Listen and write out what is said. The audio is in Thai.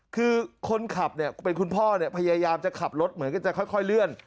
คือคนขับเนี่ยเป็นคุณพ่อพยายามจะขับรถเหมือนกันจะค่อยเลื่อน